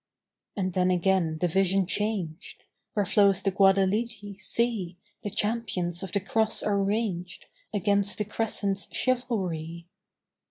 And then again the vision changed: Where flows the Guadelete, see, The champions of the Cross are ranged Against the Crescent's chivalry.